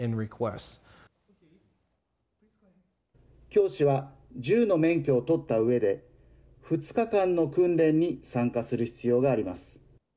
教師は銃の免許を取ったうえで２日間の訓練に参加する必要があります。